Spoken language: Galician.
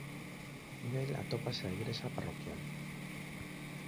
Nel atópase a igrexa parroquial.